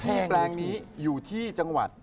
แปลงนี้อยู่ที่จังหวัด